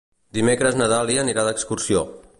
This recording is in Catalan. Dimecres na Dàlia anirà d'excursió.